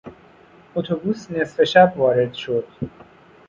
اتوبوس نصف شب وارد شد.